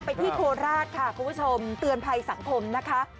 ไปที่โทรลากคุณผู้ชมเตือนภัยสังคมนะคะ